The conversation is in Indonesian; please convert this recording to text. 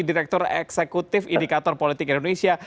direktur eksekutif indikator politik indonesia